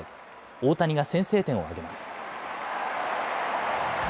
大谷が先制点を挙げます。